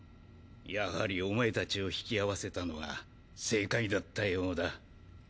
やはりお前たちを引き合わせたのは正解だったようだ。